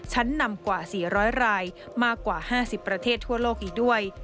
ชั้นนำกว่า๔๐๐รายมากกว่า๕๐ประเทศทั่วโลกอีกด้วย